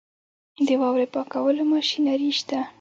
د واورې پاکولو ماشینري شته؟